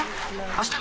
あした？